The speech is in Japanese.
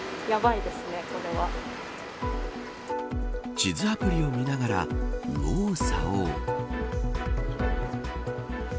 地図アプリを見ながら右往左往。